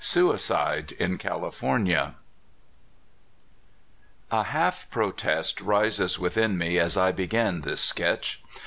SUICIDE IN CALIFORNIA. HALF protest rises within me as I begin this Sketch.